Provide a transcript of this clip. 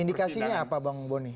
indikasinya apa bang boni